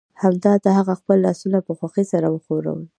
همدا ده هغه خپل لاسونه په خوښۍ سره وښورول